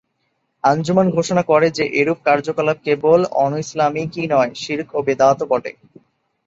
আঞ্জুমান ঘোষণা করে যে, এরূপ কার্যকলাপ কেবল অনৈসলামিকই নয়, শিরক ও বিদাতও বটে।